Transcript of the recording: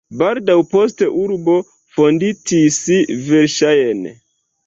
Baldaŭ poste urbo fonditis verŝajne.